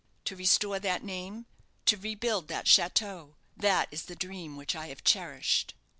To restore that name, to rebuild that chateau that is the dream which I have cherished."